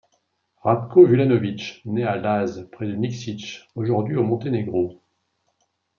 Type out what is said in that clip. Ratko Vulanović naît à Laz, près de Nikšić, aujourd'hui au Monténégro.